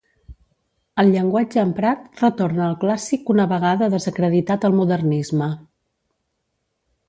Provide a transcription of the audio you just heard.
El llenguatge emprat retorna al clàssic una vegada desacreditat el modernisme.